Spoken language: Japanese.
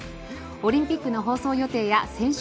オリンピックの放送予定や選手